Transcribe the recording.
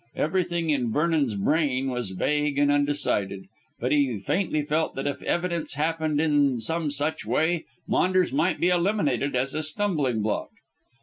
Everything in Vernon's brain was vague and undecided, but he faintly felt that if events happened in some such way Maunders might be eliminated as a stumbling block.